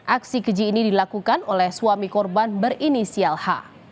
aksi keji ini dilakukan oleh suami korban berinisial h